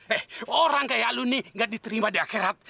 eh orang kayak lu nih nggak diterima di akherat